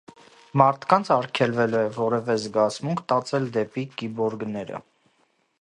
Մարդկանց ալգելվել է որևէ զգացմունք տածել դեպի կիբօրգները։